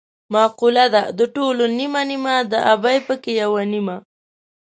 مقوله ده: د ټولو نیمه نیمه د ابۍ پکې یوه نیمه.